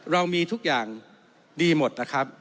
เรามีทุกอย่างดีหมด